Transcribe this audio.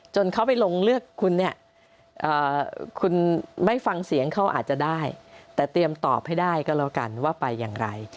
เขาไปลงเลือกคุณเนี่ยคุณไม่ฟังเสียงเขาอาจจะได้แต่เตรียมตอบให้ได้ก็แล้วกันว่าไปอย่างไร